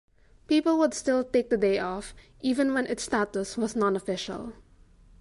People would still take the day off even when its status was non-official.